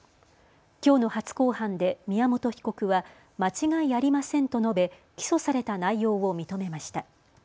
きょうの初公判で宮本被告は間違いありませんと述べ起訴された内容を認めました。